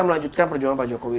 melanjutkan perjuangan pak jokowi